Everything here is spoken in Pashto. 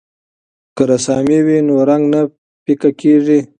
که رسامي وي نو رنګ نه پیکه کیږي.